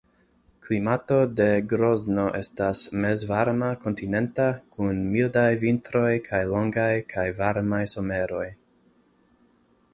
Klimato de Grozno estas mezvarma kontinenta kun mildaj vintroj kaj longaj kaj varmaj someroj.